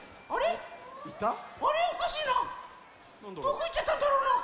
どこいっちゃったんだろうな。